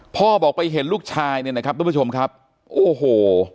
พ่อบอกไปเห็นลูกชายเนี่ยนะครับทุกผู้ชมครับโอ้โห